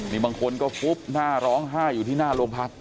นี่บางคนก็ฟุบหน้าร้องไห้อยู่ที่หน้าโรงพัก